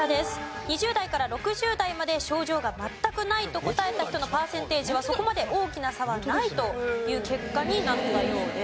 ２０代から６０代まで「症状が全くない」と答えた人のパーセンテージはそこまで大きな差はないという結果になったようです。